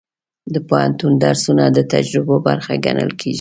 د پوهنتون درسونه د تجربو برخه ګڼل کېږي.